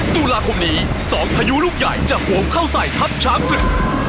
ตุลาคมนี้๒พายุลูกใหญ่จะโหมเข้าใส่ทัพช้างศึก